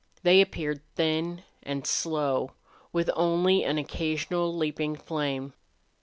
They appeared thin and slow, with only an occasional leaping flame.